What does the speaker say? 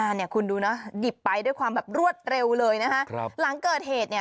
ใช่คุณดูนะหยิบไปด้วยความรวดเร็วเลยนะฮะหลังเกิดเหตุ